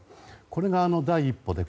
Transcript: これが第一歩で。